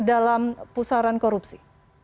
dalam pusaran korupsi